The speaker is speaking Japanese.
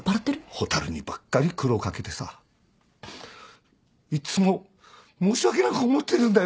蛍にばっかり苦労掛けてさいつも申し訳なく思ってるんだよ。